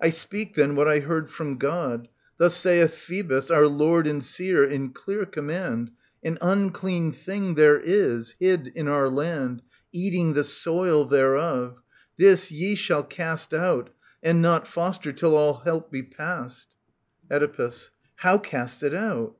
I speak then what I heard from God. — Thus saith I hoebus, our Lord and Seer, in clear command. An unclean thing there is, hid in our land, bating the soil thereof: this ye shall cast Out, and not foster till all help be past. Oedipus. How cast it out